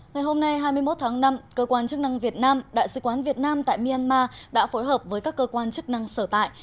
ngày hôm nay hai mươi một tháng năm cơ quan chức năng việt nam đại sứ quán việt nam tại myanmar đã phối hợp với các cơ quan chức năng sở tại